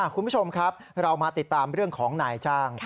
คุณผู้ชมครับเรามาติดตามเรื่องของนายจ้าง